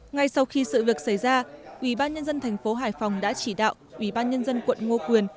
ngay sau khi sự việc xảy ra ủy ban nhân dân thành phố hải phòng đã chỉ đạo ủy ban nhân dân quận ngô quyền